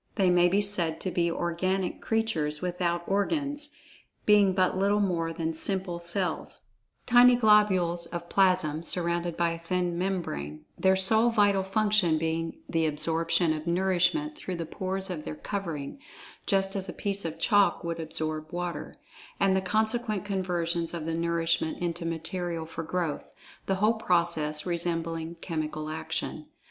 They may be said to be "organic" creatures without organs—being but little more than simple cells—tiny globules of plasm, surrounded by a thin membrane—their sole vital function being the absorption of nourishment through the pores of their covering (just as a piece of chalk would absorb water) and the consequent conversion of the nourishment into material for growth, the whole process resembling chemical action.